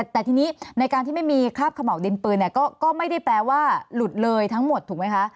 แต่ทีนี้ในการที่ไม่มีคราบขม่าวดินปืนก็ไม่ได้แปลว่าหลุดเลยทั้งหมดถูกไหมคะ